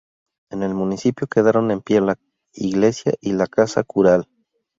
En el municipio quedaron en pie la iglesia y la casa cural.